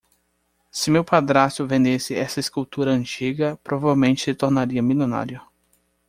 Se meu padrasto vendesse essa escultura antiga, provavelmente se tornaria milionário.